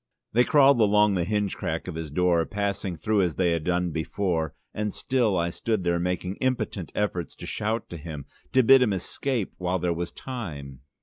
They crawled along the hinge crack of his door, passing through as they had done before, and still I stood there, making impotent efforts to shout to him, to bid him escape while there was time.